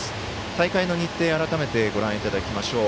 大会の日程を改めてご覧いただきましょう。